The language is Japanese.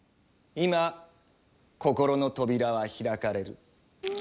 今心の扉は開かれる。